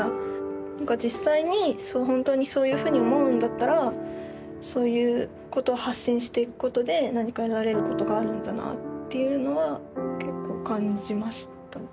何か実際にほんとにそういうふうに思うんだったらそういうことを発信していくことで何か得られることがあるんだなっていうのは結構感じました。